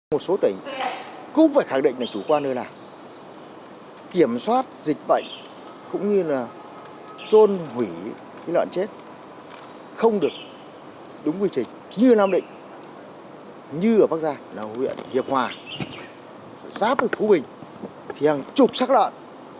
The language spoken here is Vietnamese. một số tỉnh cũng phải khẳng định là chủ quan nơi nào kiểm soát dịch bệnh cũng như là trôn hủy cái lợn chết không được đúng quy trình như nam định như ở bắc giang là huyện hiệp hòa giáp phú bình thì hàng chục xác lợn